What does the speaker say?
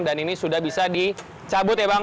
dan ini sudah bisa dicabut ya bang